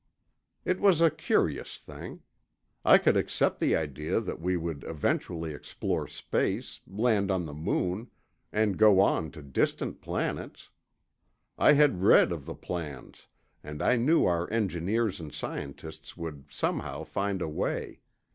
It was a curious thing. I could accept the idea that we would eventually explore space, land on the moon, and go on to distant planets. I had read of the plans, and I knew our engineers and scientists would somehow find a way.